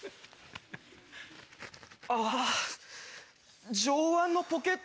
あぁ上腕のポケット